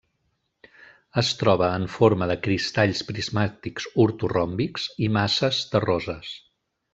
Es troba en forma de cristalls prismàtics ortoròmbics i masses terroses.